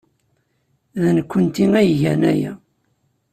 D nekkenti ay igan aya.